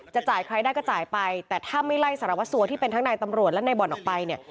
จ่ายใครได้ก็จ่ายไปแต่ถ้าไม่ไล่สารวัสสัวที่เป็นทั้งนายตำรวจและนายบ่อนออกไปเนี่ย